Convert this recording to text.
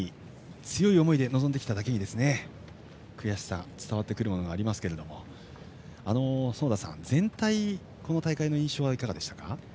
強い思いで臨んできただけに悔しさ伝わってくるものがありますけど園田さん、この大会全体の印象はいかがでしたか？